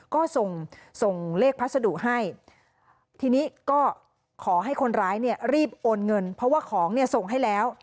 ก็ส่งส่งเลขพัสดุให้ทีนี้ก็ขอให้คนร้ายเนี่ยรีบโอนเงินเพราะว่าของเนี่ยส่งให้แล้ว